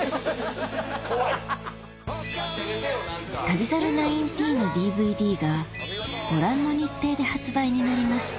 『旅猿１９』のＤＶＤがご覧の日程で発売になります